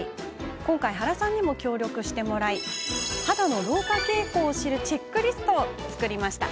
今回、原さんにも協力してもらい肌の老化傾向を知るチェックリストを作りました。